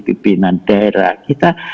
pimpinan daerah kita